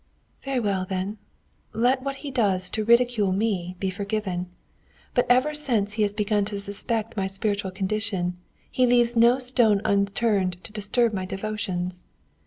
"Very well, then. Let what he does to ridicule me be forgiven. But ever since he has begun to suspect my spiritual condition, he leaves no stone unturned to disturb my devotions.